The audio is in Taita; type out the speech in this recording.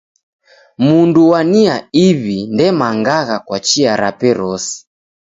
Mundu wa nia iw'i, ndemangagha kwa chia rape rose.